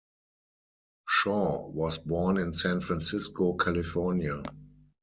Shaw was born in San Francisco, California.